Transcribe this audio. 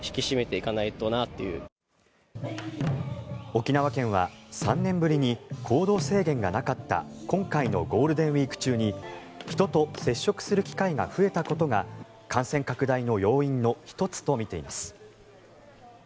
沖縄県は３年ぶりに行動制限がなかった今回のゴールデンウィーク中に人と接触する機会が増えたことが感染拡大の要因の１つとみています。